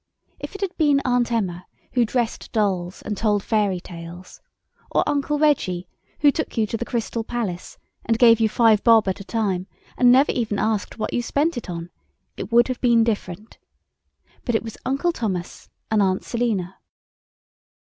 If it had been Aunt Emma, who dressed dolls and told fairy tales—or Uncle Reggie, who took you to the Crystal Palace, and gave you five bob at a time, and never even asked what you spent it on, it would have been different. But it was Uncle Thomas and Aunt Selina.